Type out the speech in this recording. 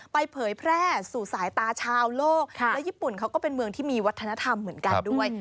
เผยแพร่สู่สายตาชาวโลกและญี่ปุ่นเขาก็เป็นเมืองที่มีวัฒนธรรมเหมือนกันด้วย